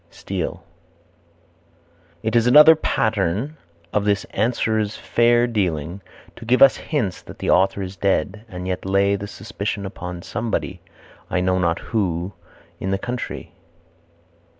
Steele. "It is another pattern of this answerer's fair dealing, to give us hints that the author is dead, and yet lay the suspicion upon somebody, I know not who, in the country."